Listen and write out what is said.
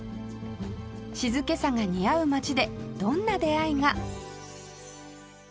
静けさが似合う街でどんな出会いが？